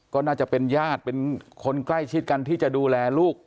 ก็น่าจะเป็นญาติเป็นคนใกล้ชิดกันที่จะดูแลลูก